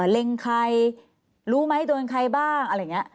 เล็งใครรู้ไหมโดนใครบ้างอะไรอย่างนี้